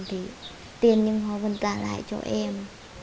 tiền nhưng họ vẫn trả lại cho em